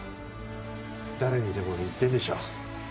誰にでも言ってんでしょ。